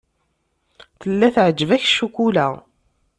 Tella teεǧeb-ak ccakula.